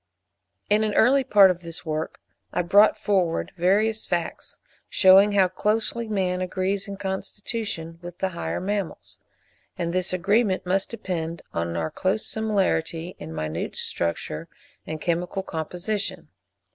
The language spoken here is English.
In an early part of this work I brought forward various facts, shewing how closely man agrees in constitution with the higher mammals; and this agreement must depend on our close similarity in minute structure and chemical composition.